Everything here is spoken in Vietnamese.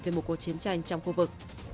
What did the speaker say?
về một cuộc chiến tranh trong khu vực